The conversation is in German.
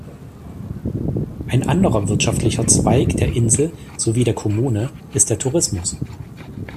Ein anderer wirtschaftlicher Zweig der Insel sowie der Kommune ist der Tourismus.